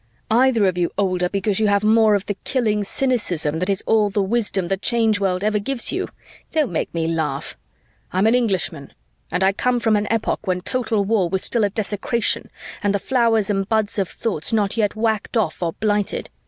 Either of you older because you have more of the killing cynicism that is all the wisdom the Change World ever gives you? Don't make me laugh! "I'm an Englishman, and I come from an epoch when total war was still a desecration and the flowers and buds of thoughts not yet whacked off or blighted.